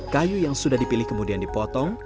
kayu yang sudah dipilih kemudian dipotong